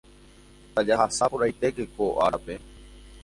Tajahasa porãitéke ko árape.